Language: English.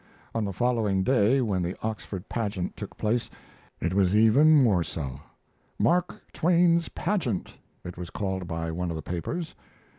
On the following day, when the Oxford pageant took place, it was even more so. "Mark Twain's Pageant," it was called by one of the papers.